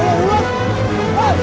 nanti aku pusing